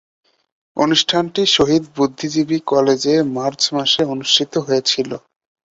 অনুষ্ঠানটি শহীদ বুদ্ধিজীবী কলেজে মার্চ মাসে অনুষ্ঠিত হয়েছিলো।